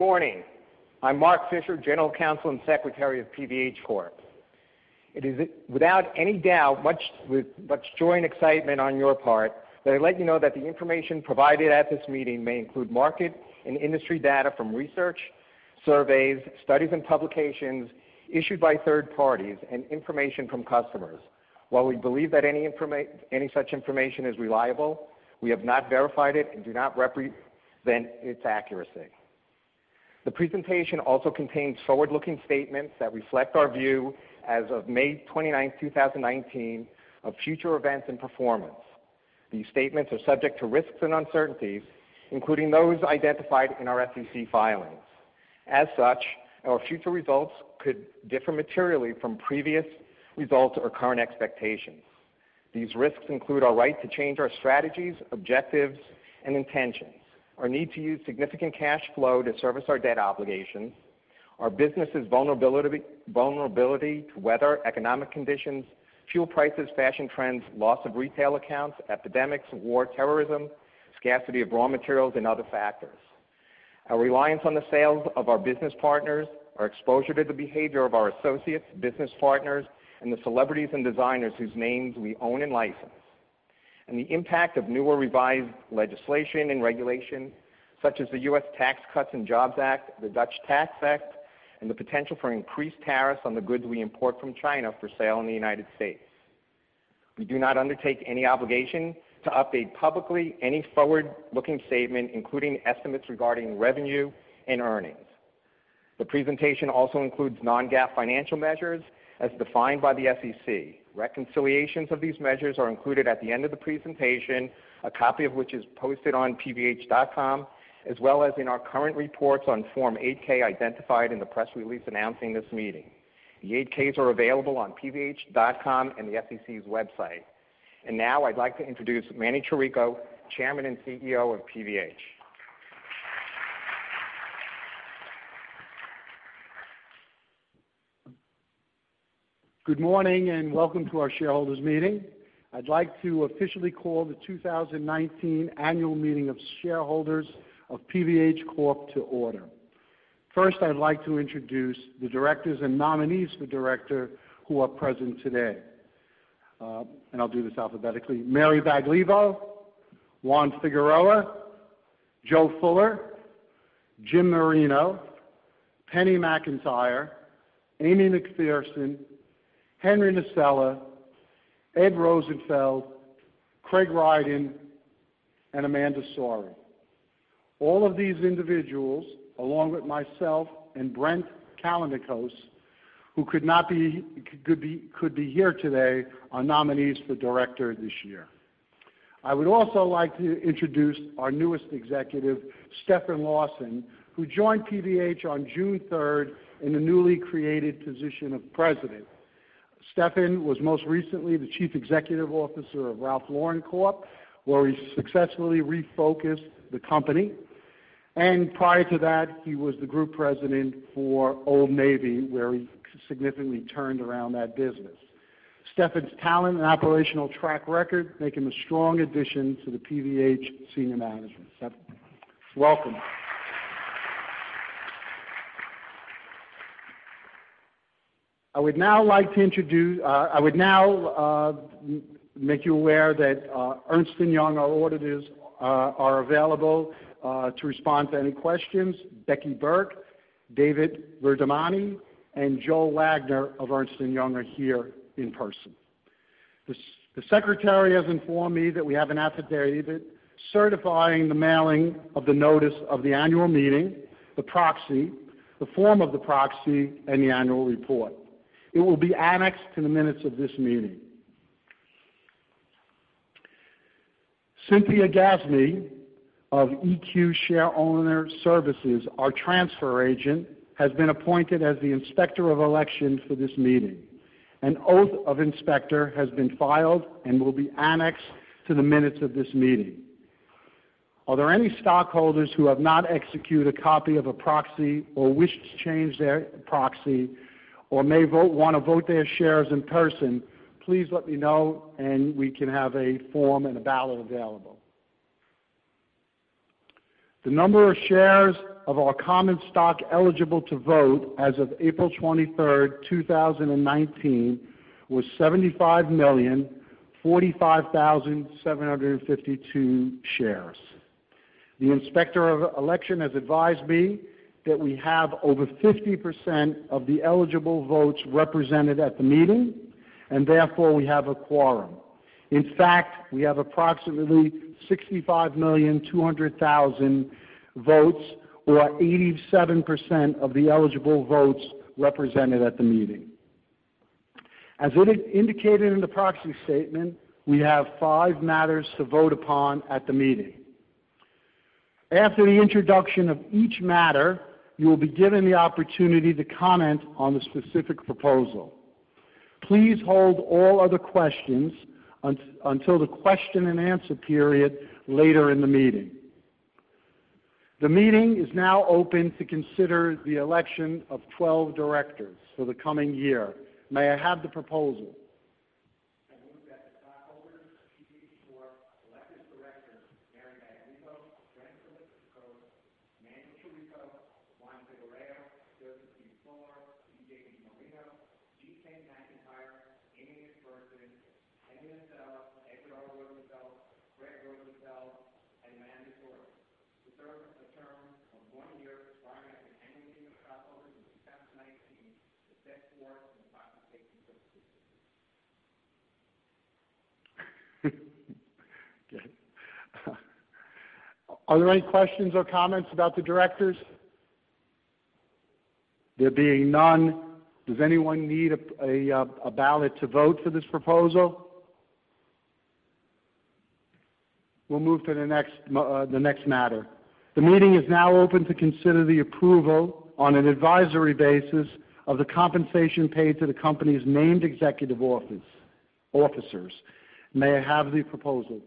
Morning. I'm Mark Fischer, General Counsel and Secretary of PVH Corp. It is without any doubt, with much joy and excitement on your part, that I let you know that the information provided at this meeting may include market and industry data from research, surveys, studies, and publications issued by third parties and information from customers. While we believe that any such information is reliable, we have not verified it and do not represent its accuracy. The presentation also contains forward-looking statements that reflect our view as of May 29th, 2019, of future events and performance. These statements are subject to risks and uncertainties, including those identified in our SEC filings. Our future results could differ materially from previous results or current expectations. These risks include our right to change our strategies, objectives, and intentions. Our need to use significant cash flow to service our debt obligations. Our business' vulnerability to weather, economic conditions, fuel prices, fashion trends, loss of retail accounts, epidemics, war, terrorism, scarcity of raw materials, and other factors. Our reliance on the sales of our business partners. Our exposure to the behavior of our associates, business partners, and the celebrities and designers whose names we own and license. The impact of new or revised legislation and regulation, such as the U.S. Tax Cuts and Jobs Act, the Dutch Tax Act, and the potential for increased tariffs on the goods we import from China for sale in the United States. We do not undertake any obligation to update publicly any forward-looking statement, including estimates regarding revenue and earnings. The presentation also includes non-GAAP financial measures as defined by the SEC. Reconciliations of these measures are included at the end of the presentation, a copy of which is posted on pvh.com, as well as in our current reports on Form 8-K identified in the press release announcing this meeting. The 8-Ks are available on pvh.com and the SEC's website. Now I'd like to introduce Manny Chirico, Chairman and Chief Executive Officer of PVH. Good morning and welcome to our shareholders' meeting. I'd like to officially call the 2019 annual meeting of shareholders of PVH Corp to order. First, I'd like to introduce the directors and nominees for director who are present today. I'll do this alphabetically. Mary Baglivo, Juan Figueroa, Joe Fuller, Jim Marino, Penny McIntyre, Amy McPherson, Henry Nasella, Ed Rosenfeld, Craig Rydin, and Amanda Sourry. All of these individuals, along with myself and Brent Callinicos, who could be here today, are nominees for director this year. I would also like to introduce our newest executive, Stefan Larsson, who joined PVH on June 3rd in the newly created position of president. Stefan was most recently the Chief Executive Officer of Ralph Lauren Corp, where he successfully refocused the company. Prior to that, he was the group president for Old Navy, where he significantly turned around that business. Stefan's talent and operational track record make him a strong addition to the PVH senior management. Stefan, welcome. I would now make you aware that Ernst & Young, our auditors, are available to respond to any questions. Becky Burke, David Verdemoni, and Joe Wagner of Ernst & Young are here in person. The secretary has informed me that we have an affidavit certifying the mailing of the notice of the annual meeting, the proxy, the form of the proxy, and the annual report. It will be annexed to the minutes of this meeting. Cynthia Gausney of EQ Shareowner Services, our transfer agent, has been appointed as the Inspector of Election for this meeting. An oath of inspector has been filed and will be annexed to the minutes of this meeting. Are there any stockholders who have not executed a copy of a proxy or wish to change their proxy or may want to vote their shares in person, please let me know and we can have a form and a ballot available. The number of shares of our common stock eligible to vote as of April 23rd, 2019, was 75,045,752 shares. The Inspector of Election has advised me that we have over 50% of the eligible votes represented at the meeting, and therefore we have a quorum. In fact, we have approximately 65,200,000 votes or 87% of the eligible votes represented at the meeting. As indicated in the proxy statement, we have five matters to vote upon at the meeting. After the introduction of each matter, you will be given the opportunity to comment on the specific proposal. Please hold all other questions until the question and answer period later in the meeting. The meeting is now open to consider the election of 12 directors for the coming year. May I have the proposal? Directors: Mary Baglivo, Brent Callinicos, Manny Chirico, Juan Figueroa, Joseph B. Fuller, V. James Marino, G. Penny McIntyre, Amy McPherson, Henry Nasella, Edward R. Rosenfeld, Craig Rydin, and Amanda Sourry, to serve a term of one year starting at the annual meeting of stockholders in 2019, as set forth in the proxy statement for this meeting. Okay. Are there any questions or comments about the directors? There being none, does anyone need a ballot to vote for this proposal? We'll move to the next matter. The meeting is now open to consider the approval on an advisory basis of the compensation paid to the company's named executive officers. May I have the proposal?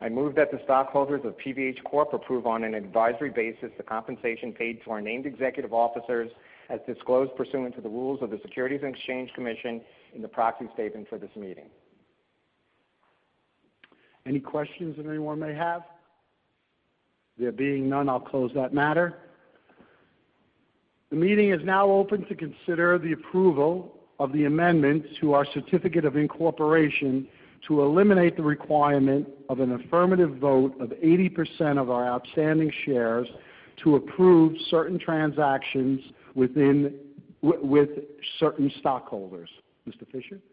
I move that the stockholders of PVH Corp. approve on an advisory basis the compensation paid to our named executive officers as disclosed pursuant to the rules of the Securities and Exchange Commission in the proxy statement for this meeting. Any questions that anyone may have? There being none, I'll close that matter. The meeting is now open to consider the approval of the amendments to our certificate of incorporation to eliminate the requirement of an affirmative vote of 80% of our outstanding shares to approve certain transactions with certain stockholders. Mr. Fischer? I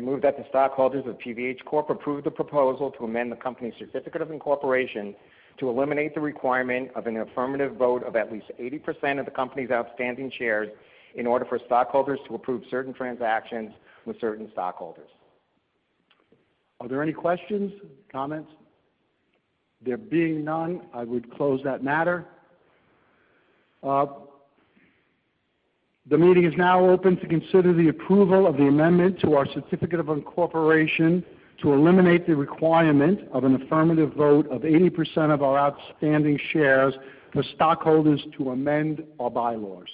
move that the stockholders of PVH Corp. approve the proposal to amend the company's certificate of incorporation to eliminate the requirement of an affirmative vote of at least 80% of the company's outstanding shares in order for stockholders to approve certain transactions with certain stockholders. Are there any questions, comments? There being none, I would close that matter. The meeting is now open to consider the approval of the amendment to our certificate of incorporation to eliminate the requirement of an affirmative vote of 80% of our outstanding shares for stockholders to amend our bylaws.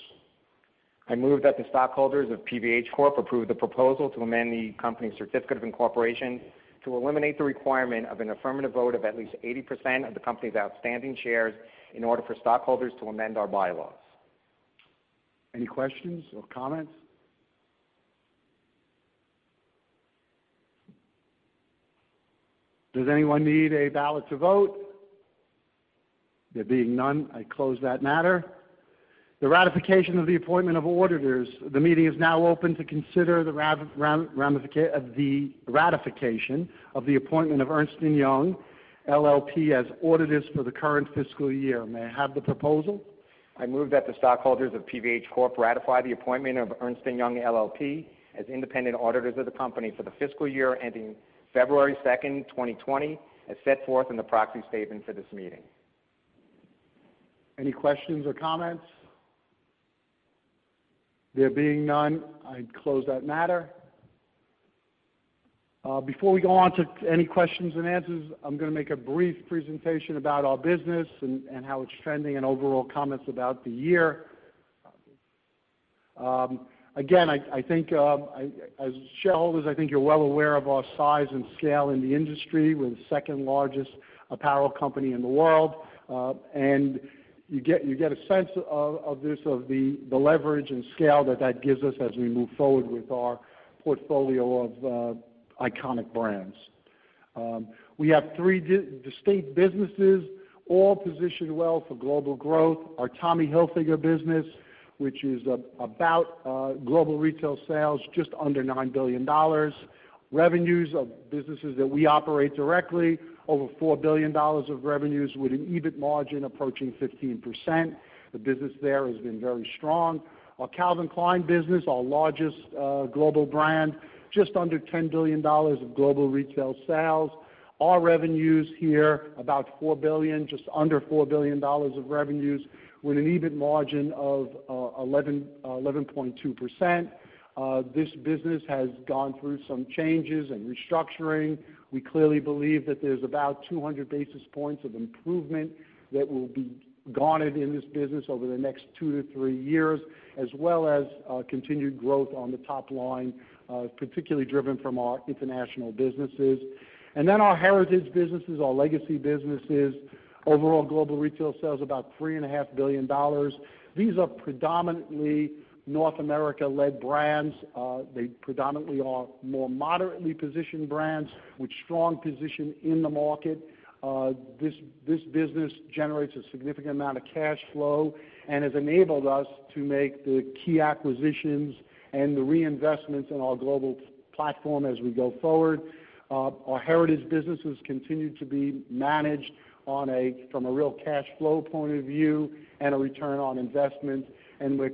I move that the stockholders of PVH Corp. approve the proposal to amend the company's certificate of incorporation to eliminate the requirement of an affirmative vote of at least 80% of the company's outstanding shares in order for stockholders to amend our bylaws. Any questions or comments? Does anyone need a ballot to vote? There being none, I close that matter. The ratification of the appointment of auditors. The meeting is now open to consider the ratification of the appointment of Ernst & Young LLP as auditors for the current fiscal year. May I have the proposal? I move that the stockholders of PVH Corp. ratify the appointment of Ernst & Young LLP as independent auditors of the company for the fiscal year ending February 2nd, 2020, as set forth in the proxy statement for this meeting. Any questions or comments? There being none, I close that matter. Before we go on to any questions and answers, I'm going to make a brief presentation about our business and how it's trending and overall comments about the year. Again, as shareholders, I think you're well aware of our size and scale in the industry. We're the second largest apparel company in the world. You get a sense of this, of the leverage and scale that that gives us as we move forward with our portfolio of iconic brands. We have three distinct businesses, all positioned well for global growth. Our Tommy Hilfiger business, which is about global retail sales just under $9 billion. Revenues of businesses that we operate directly, over $4 billion of revenues with an EBIT margin approaching 15%. The business there has been very strong. Our Calvin Klein business, our largest global brand, just under $10 billion of global retail sales. Our revenues here, about $4 billion, just under $4 billion of revenues with an EBIT margin of 11.2%. This business has gone through some changes and restructuring. We clearly believe that there's about 200 basis points of improvement that will be garnered in this business over the next two to three years, as well as continued growth on the top line, particularly driven from our international businesses. Then our heritage businesses, our legacy businesses, overall global retail sales, about $3.5 billion. These are predominantly North America-led brands. They predominantly are more moderately positioned brands with strong position in the market. This business generates a significant amount of cash flow and has enabled us to make the key acquisitions and the reinvestments in our global platform as we go forward. Our heritage businesses continue to be managed from a real cash flow point of view and a return on investment, and we're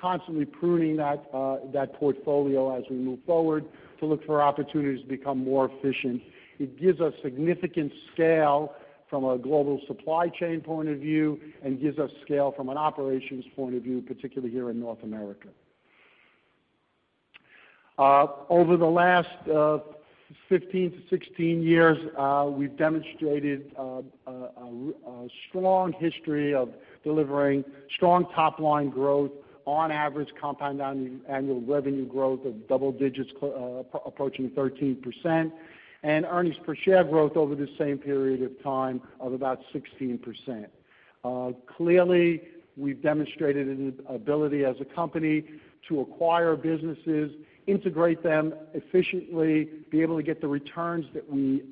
constantly pruning that portfolio as we move forward to look for opportunities to become more efficient. It gives us significant scale from a global supply chain point of view and gives us scale from an operations point of view, particularly here in North America. Over the last 15 to 16 years, we've demonstrated a strong history of delivering strong top-line growth. On average, compound annual revenue growth of double digits approaching 13%, and earnings per share growth over the same period of time of about 16%. Clearly, we've demonstrated an ability as a company to acquire businesses, integrate them efficiently, be able to get the returns that we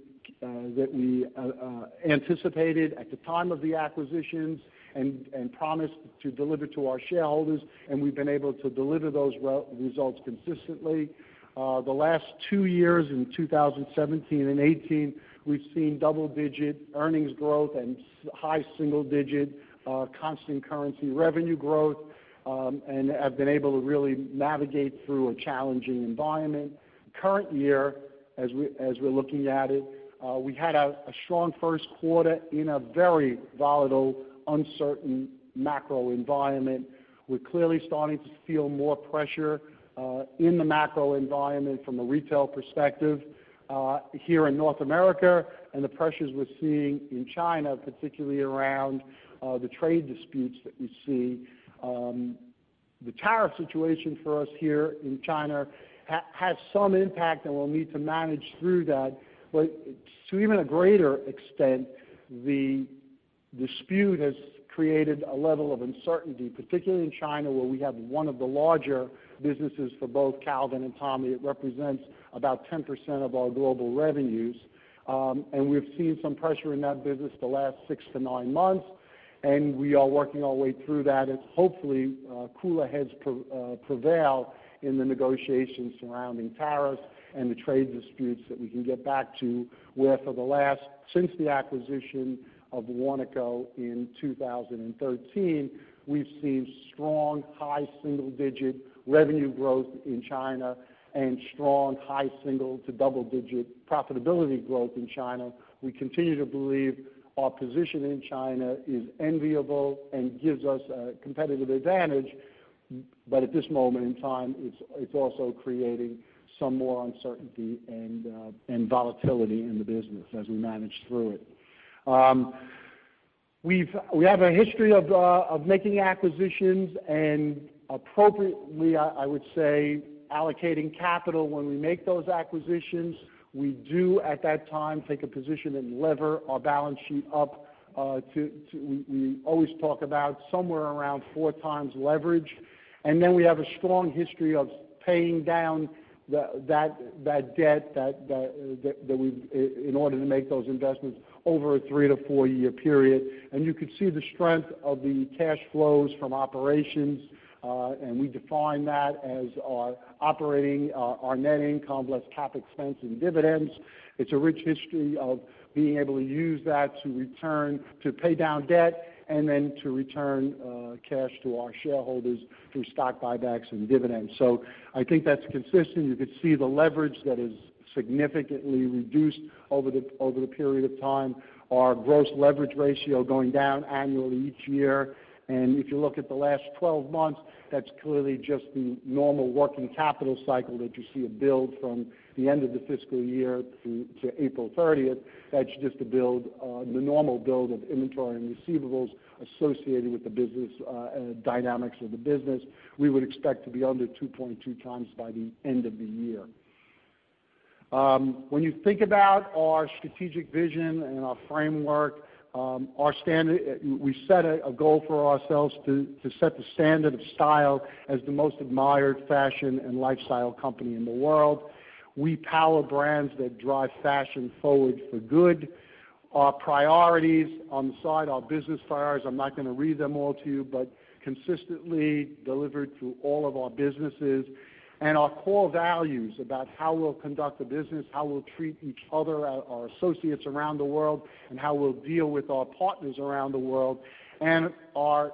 anticipated at the time of the acquisitions, and promised to deliver to our shareholders, and we've been able to deliver those results consistently. The last two years, in 2017 and 2018, we've seen double-digit earnings growth and high single-digit constant currency revenue growth, and have been able to really navigate through a challenging environment. Current year, as we're looking at it, we had a strong first quarter in a very volatile, uncertain macro environment. We're clearly starting to feel more pressure in the macro environment from a retail perspective here in North America, and the pressures we're seeing in China, particularly around the trade disputes that we see. The tariff situation for us here in China has some impact, and we'll need to manage through that. To even a greater extent, the dispute has created a level of uncertainty, particularly in China, where we have one of the larger businesses for both Calvin and Tommy. It represents about 10% of our global revenues. We've seen some pressure in that business the last six to nine months, and we are working our way through that as hopefully cooler heads prevail in the negotiations surrounding tariffs and the trade disputes that we can get back to where for the last, since the acquisition of Warnaco in 2013, we've seen strong, high single-digit revenue growth in China and strong high single to double-digit profitability growth in China. We continue to believe our position in China is enviable and gives us a competitive advantage. At this moment in time, it's also creating some more uncertainty and volatility in the business as we manage through it. We have a history of making acquisitions and appropriately, I would say, allocating capital when we make those acquisitions. We do, at that time, take a position and lever our balance sheet up to, we always talk about somewhere around four times leverage. Then we have a strong history of paying down that debt in order to make those investments over a three to four-year period. You could see the strength of the cash flows from operations. We define that as our net income plus CapEx and dividends. It's a rich history of being able to use that to pay down debt and then to return cash to our shareholders through stock buybacks and dividends. I think that's consistent. You could see the leverage that is significantly reduced over the period of time. Our gross leverage ratio going down annually each year. If you look at the last 12 months, that's clearly just the normal working capital cycle that you see it build from the end of the fiscal year through to April 30th. That's just the normal build of inventory and receivables associated with the dynamics of the business. We would expect to be under 2.2 times by the end of the year. When you think about our strategic vision and our framework, we set a goal for ourselves to set the standard of style as the most admired fashion and lifestyle company in the world. We power brands that drive fashion forward for good. Our priorities on the side, our business priorities, I'm not going to read them all to you, but consistently delivered through all of our businesses. Our core values about how we'll conduct the business, how we'll treat each other, our associates around the world, and how we'll deal with our partners around the world. Our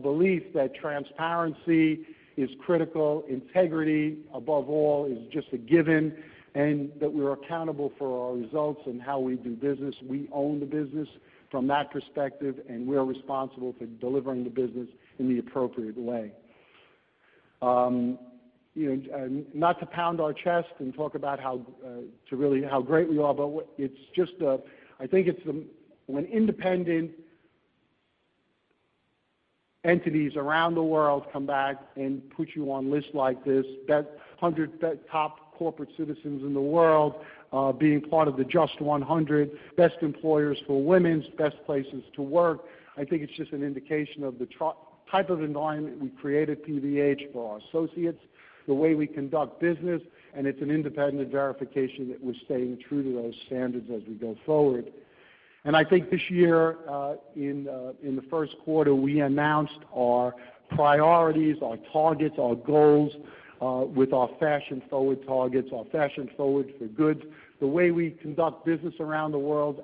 belief that transparency is critical, integrity, above all, is just a given, and that we're accountable for our results and how we do business. We own the business from that perspective, and we're responsible for delivering the business in the appropriate way. Not to pound our chest and talk about how great we are, I think when independent entities around the world come back and put you on lists like this, top corporate citizens in the world, being part of the JUST 100, best employers for women, best places to work, I think it's just an indication of the type of environment we create at PVH for our associates, the way we conduct business, and it's an independent verification that we're staying true to those standards as we go forward. I think this year, in the first quarter, we announced our priorities, our targets, our goals, with our fashion-forward targets, our Fashion Forward for Good, the way we conduct business around the world.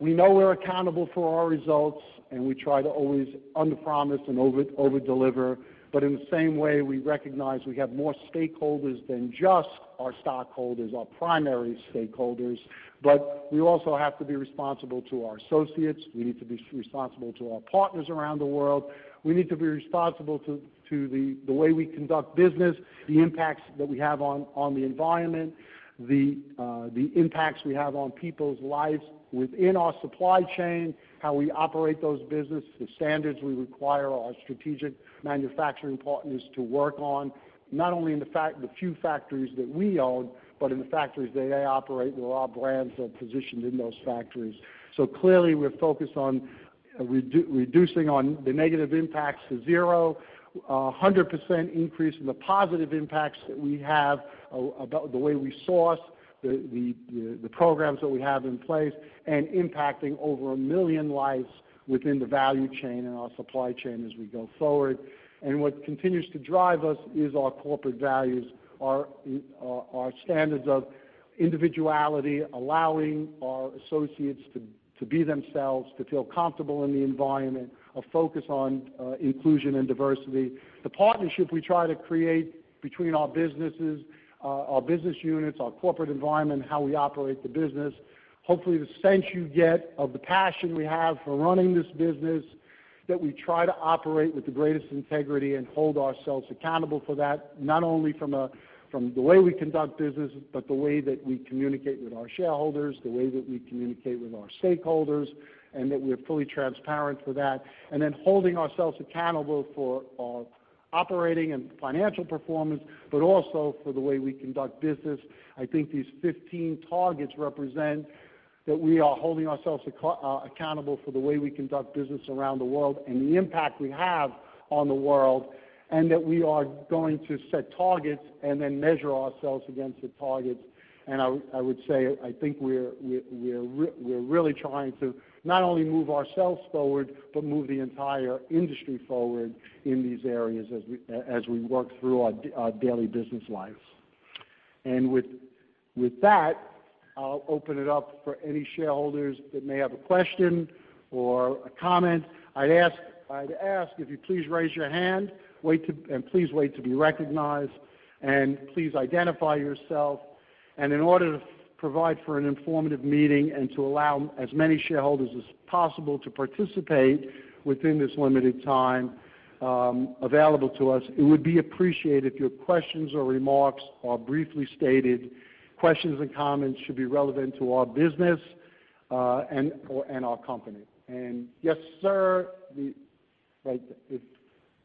We know we're accountable for our results, and we try to always underpromise and overdeliver. In the same way, we recognize we have more stakeholders than just our stockholders, our primary stakeholders. We also have to be responsible to our associates, we need to be responsible to our partners around the world. We need to be responsible to the way we conduct business, the impacts that we have on the environment, the impacts we have on people's lives within our supply chain, how we operate those businesses, the standards we require our strategic manufacturing partners to work on, not only in the few factories that we own, but in the factories that they operate where our brands are positioned in those factories. Clearly, we are focused on reducing the negative impacts to zero, 100% increase in the positive impacts that we have about the way we source the programs that we have in place, and impacting over 1 million lives within the value chain and our supply chain as we go forward. What continues to drive us is our corporate values, our standards of individuality, allowing our associates to be themselves, to feel comfortable in the environment, a focus on inclusion and diversity. The partnership we try to create between our businesses, our business units, our corporate environment, how we operate the business. Hopefully, the sense you get of the passion we have for running this business, that we try to operate with the greatest integrity and hold ourselves accountable for that, not only from the way we conduct business, but the way that we communicate with our shareholders, the way that we communicate with our stakeholders, and that we are fully transparent for that. Holding ourselves accountable for our operating and financial performance, but also for the way we conduct business. I think these 15 targets represent that we are holding ourselves accountable for the way we conduct business around the world and the impact we have on the world, and that we are going to set targets and then measure ourselves against the targets. I would say, I think we are really trying to not only move ourselves forward but move the entire industry forward in these areas as we work through our daily business lives. With that, I will open it up for any shareholders that may have a question or a comment. I would ask if you would please raise your hand, and please wait to be recognized, and please identify yourself. In order to provide for an informative meeting and to allow as many shareholders as possible to participate within this limited time available to us, it would be appreciated if your questions or remarks are briefly stated. Questions and comments should be relevant to our business and our company. Yes, sir. Right there.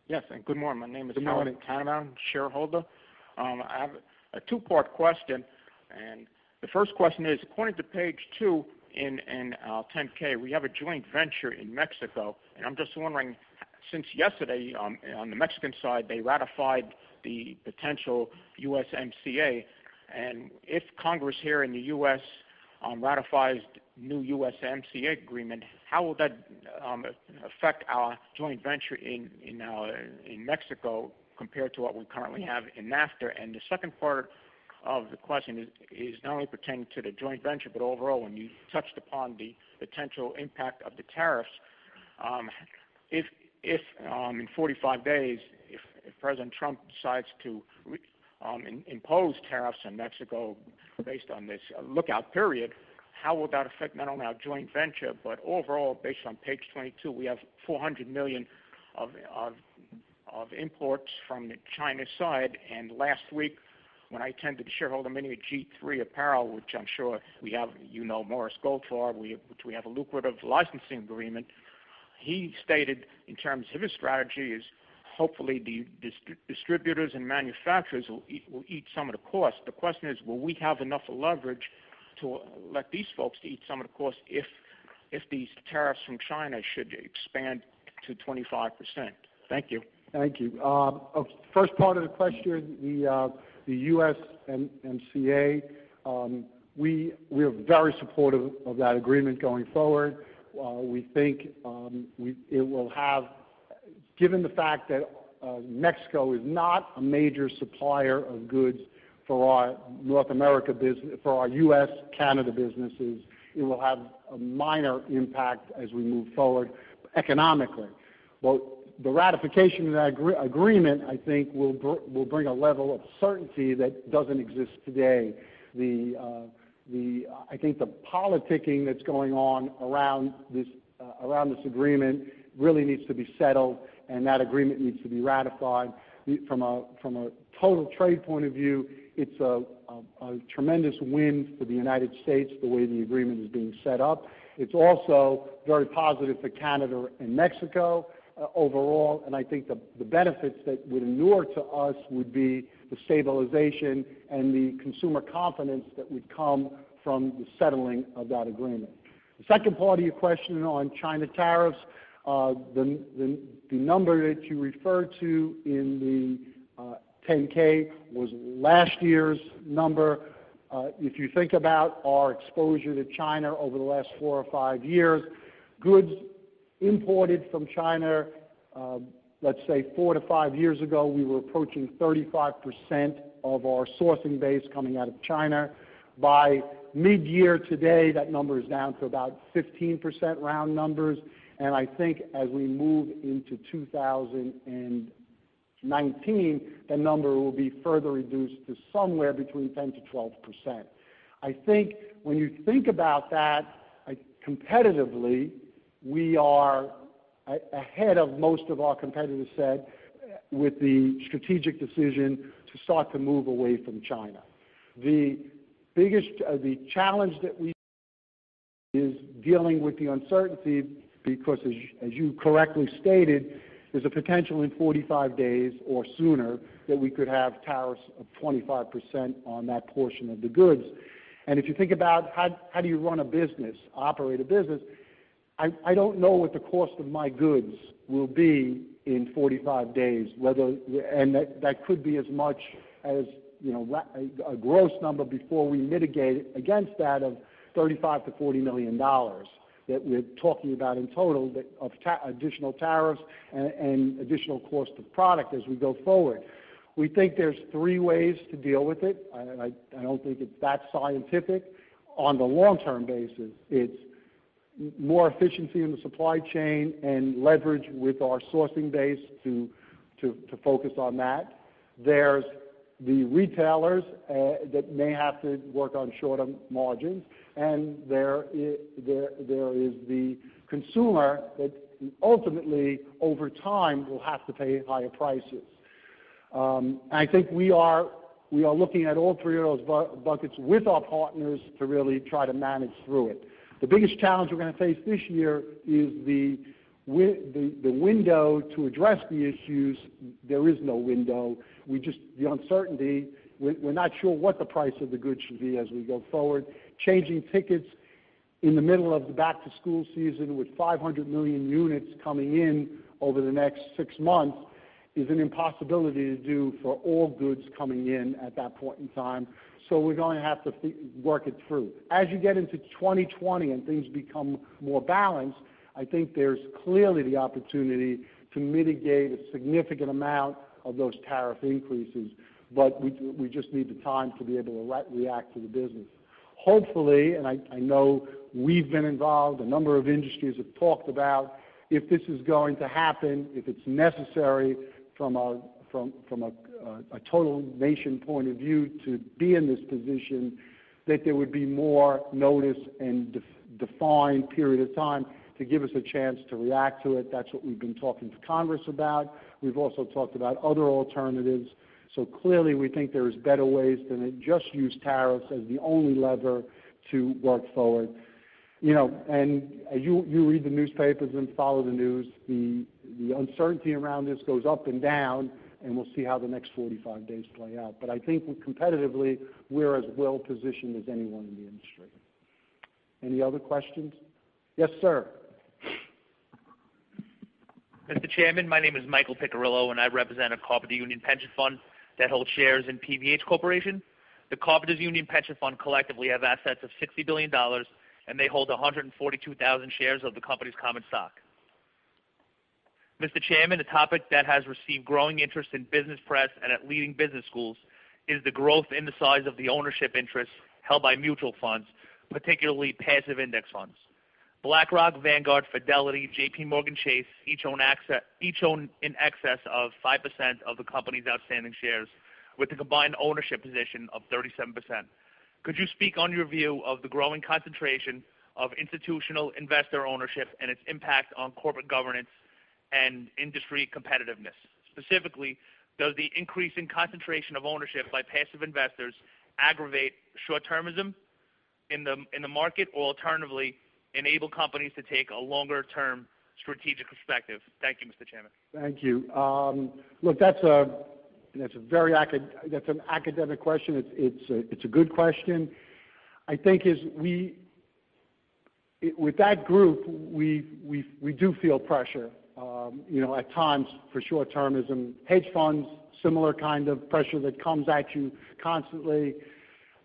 Yes, and good morning. My name is- Good morning Howard Conine. I'm a shareholder. I have a two-part question. The first question is, according to page two in our 10-K, we have a joint venture in Mexico. I'm just wondering, since yesterday on the Mexican side, they ratified the potential USMCA, if Congress here in the U.S. ratifies the new USMCA agreement, how will that affect our joint venture in Mexico compared to what we currently have in NAFTA? The second part of the question is not only pertaining to the joint venture, but overall, when you touched upon the potential impact of the tariffs. If in 45 days, if President Trump decides to impose tariffs on Mexico based on this lookout period, how will that affect not only our joint venture but overall, based on page 22, we have $400 million of imports from the China side. Last week, when I attended the shareholder mini G-III Apparel, which I'm sure you know Morris Goldfarb, which we have a lucrative licensing agreement. He stated in terms of his strategy is hopefully the distributors and manufacturers will eat some of the cost. The question is, will we have enough leverage to let these folks eat some of the cost if these tariffs from China should expand to 25%? Thank you. Thank you. First part of the question, the USMCA. We're very supportive of that agreement going forward. We think, given the fact that Mexico is not a major supplier of goods for our U.S.-Canada businesses, it will have a minor impact as we move forward economically. The ratification of that agreement, I think, will bring a level of certainty that doesn't exist today. I think the politicking that's going on around this agreement really needs to be settled, and that agreement needs to be ratified. From a total trade point of view, it's a tremendous win for the United States, the way the agreement is being set up. It's also very positive for Canada and Mexico overall, and I think the benefits that would inure to us would be the stabilization and the consumer confidence that would come from the settling of that agreement. The second part of your question on China tariffs. The number that you referred to in the 10-K was last year's number. If you think about our exposure to China over the last four or five years, goods imported from China, let's say four to five years ago, we were approaching 35% of our sourcing base coming out of China. By mid-year today, that number is down to about 15%, round numbers. I think as we move into 2019, that number will be further reduced to somewhere between 10%-12%. When you think about that, competitively, we are ahead of most of our competitors set with the strategic decision to start to move away from China. The challenge that we are dealing with the uncertainty because, as you correctly stated, there's a potential in 45 days or sooner that we could have tariffs of 25% on that portion of the goods. If you think about how do you run a business, operate a business, I don't know what the cost of my goods will be in 45 days. That could be as much as a gross number before we mitigate it against that of $35 million-$40 million that we're talking about in total of additional tariffs and additional cost of product as we go forward. We think there's three ways to deal with it. I don't think it's that scientific. On the long-term basis, it's more efficiency in the supply chain and leverage with our sourcing base to focus on that. There's the retailers that may have to work on shorter margins. There is the consumer that ultimately, over time, will have to pay higher prices. I think we are looking at all three of those buckets with our partners to really try to manage through it. The biggest challenge we're going to face this year is the window to address the issues. There is no window. The uncertainty, we're not sure what the price of the goods should be as we go forward. Changing tickets in the middle of the back-to-school season with 500 million units coming in over the next six months is an impossibility to do for all goods coming in at that point in time. We're going to have to work it through. As you get into 2020 and things become more balanced, I think there's clearly the opportunity to mitigate a significant amount of those tariff increases. We just need the time to be able to react to the business. Hopefully, I know we've been involved, a number of industries have talked about if this is going to happen, if it's necessary from a total nation point of view to be in this position, that there would be more notice and defined period of time to give us a chance to react to it. That's what we've been talking to Congress about. We've also talked about other alternatives. Clearly, we think there's better ways than to just use tariffs as the only lever to work forward. You read the newspapers and follow the news. The uncertainty around this goes up and down. We'll see how the next 45 days play out. I think competitively, we're as well-positioned as anyone in the industry. Any other questions? Yes, sir. Mr. Chairman, my name is Michael Piccirillo. I represent a Carpenters Union pension fund that holds shares in PVH Corp. The Carpenters Union pension fund collectively have assets of $60 billion. They hold 142,000 shares of the company's common stock. Mr. Chairman, a topic that has received growing interest in business press and at leading business schools is the growth in the size of the ownership interests held by mutual funds, particularly passive index funds. BlackRock, Vanguard, Fidelity, JPMorgan Chase, each own in excess of 5% of the company's outstanding shares with a combined ownership position of 37%. Could you speak on your view of the growing concentration of institutional investor ownership and its impact on corporate governance and industry competitiveness? Specifically, does the increase in concentration of ownership by passive investors aggravate short-termism in the market or alternatively, enable companies to take a longer-term strategic perspective? Thank you, Mr. Chairman. Thank you. Look, that's an academic question. It's a good question. I think with that group, we do feel pressure at times for short-termism. Hedge funds, similar kind of pressure that comes at you constantly.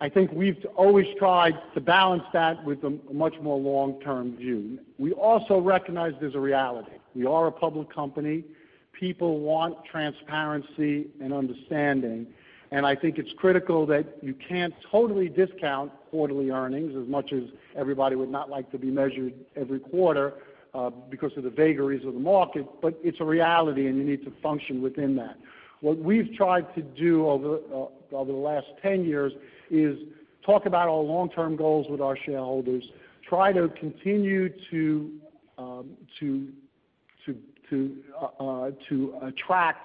I think we've always tried to balance that with a much more long-term view. We also recognize there's a reality. We are a public company. People want transparency and understanding. I think it's critical that you can't totally discount quarterly earnings as much as everybody would not like to be measured every quarter because of the vagaries of the market, but it's a reality, and you need to function within that. What we've tried to do over the last 10 years is talk about our long-term goals with our shareholders, try to continue to attract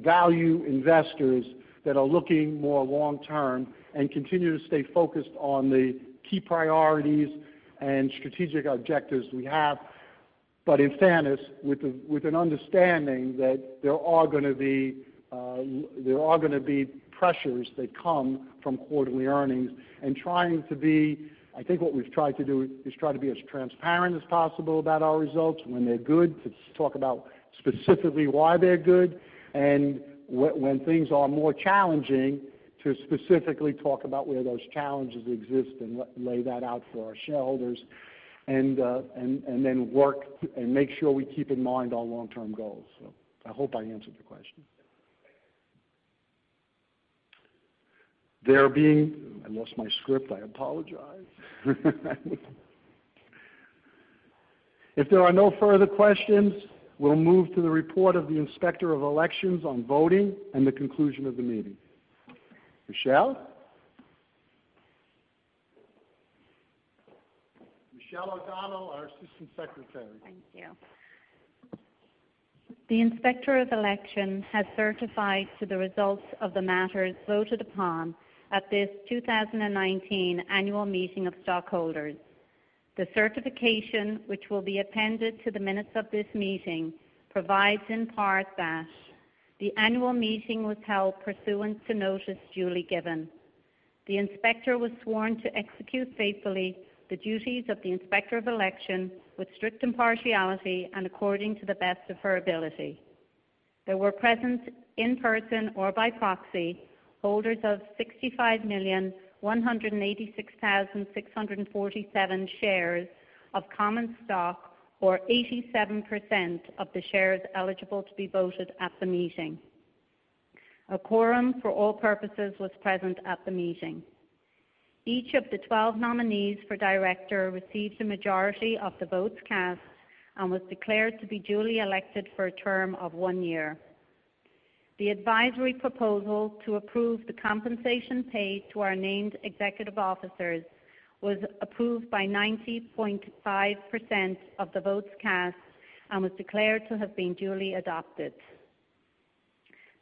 value investors that are looking more long term and continue to stay focused on the key priorities and strategic objectives we have. In fairness, with an understanding that there are going to be pressures that come from quarterly earnings and I think what we've tried to do is try to be as transparent as possible about our results. When they're good, to talk about specifically why they're good, and when things are more challenging, to specifically talk about where those challenges exist and lay that out for our shareholders, and then work and make sure we keep in mind our long-term goals. I hope I answered your question. I lost my script, I apologize. If there are no further questions, we'll move to the report of the Inspector of Elections on voting and the conclusion of the meeting. Michelle? Michelle O'Donnell, our Assistant Secretary. Thank you. The Inspector of Election has certified to the results of the matters voted upon at this 2019 Annual Meeting of Stockholders. The certification, which will be appended to the minutes of this meeting, provides in part that the annual meeting was held pursuant to notice duly given. The inspector was sworn to execute faithfully the duties of the Inspector of Election with strict impartiality and according to the best of her ability. There were present, in person or by proxy, holders of 65,186,647 shares of common stock, or 87% of the shares eligible to be voted at the meeting. A quorum for all purposes was present at the meeting. Each of the 12 nominees for director received a majority of the votes cast and was declared to be duly elected for a term of one year. The advisory proposal to approve the compensation paid to our named executive officers was approved by 90.5% of the votes cast and was declared to have been duly adopted.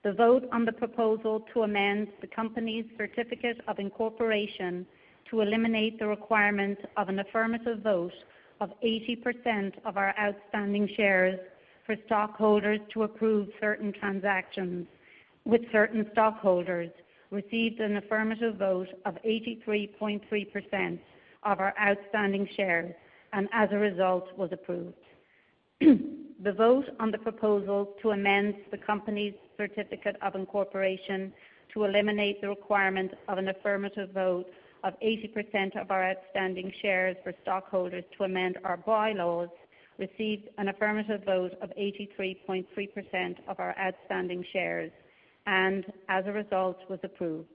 The vote on the proposal to amend the company's certificate of incorporation to eliminate the requirement of an affirmative vote of 80% of our outstanding shares for stockholders to approve certain transactions with certain stockholders received an affirmative vote of 83.3% of our outstanding shares, as a result, was approved. The vote on the proposal to amend the company's certificate of incorporation to eliminate the requirement of an affirmative vote of 80% of our outstanding shares for stockholders to amend our bylaws received an affirmative vote of 83.3% of our outstanding shares, as a result, was approved.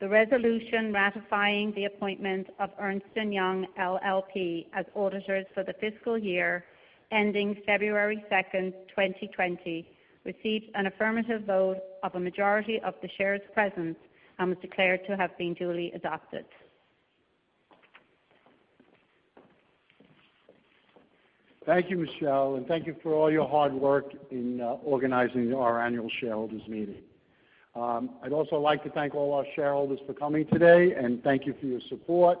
The resolution ratifying the appointment of Ernst & Young LLP as auditors for the fiscal year ending February 2nd, 2020, received an affirmative vote of a majority of the shares present and was declared to have been duly adopted. Thank you, Michelle, and thank you for all your hard work in organizing our annual shareholders meeting. I'd also like to thank all our shareholders for coming today. Thank you for your support.